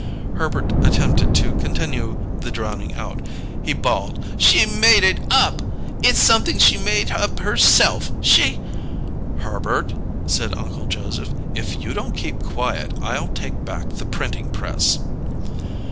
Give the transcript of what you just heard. Herbert attempted to continue the drowning out. He bawled. "She made it up! It's somep'n she made up her_self_! She " "Herbert," said Uncle Joseph; "if you don't keep quiet, I'll take back the printing press."